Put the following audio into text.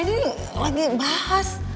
ini lagi bahas